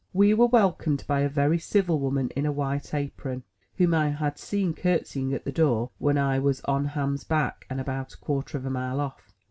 We were welcomed by a very civil woman in a white apron, whom I had seen curtseying at the door when I was on Ham's back, about a quarter of a mile off.